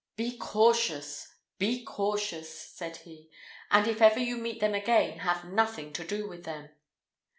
"Be cautious, be cautious," said he, "and if ever you meet them again, have nothing to do with them."